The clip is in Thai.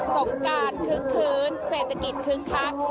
สงการคึกคืนเศรษฐกิจคึกคัก